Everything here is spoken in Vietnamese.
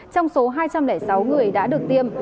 trong số hai trăm linh sáu người đã được tiêm